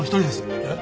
えっ？